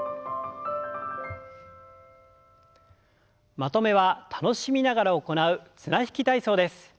まとめは楽しみながら行う綱引き体操です。